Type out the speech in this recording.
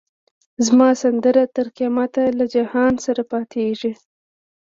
زما سندره تر قیامته له جهان سره پاییږی